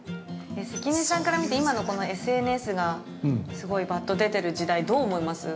◆関根さんから見て、今のＳＮＳがすごいばっと出てる時代、どう思います？